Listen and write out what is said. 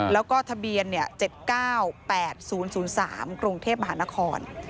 แล้วก็ทะเบียน๗๙๘๐๐๓กรุงเทพมหานคร